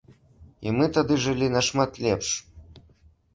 І мы тады жылі нашмат лепш.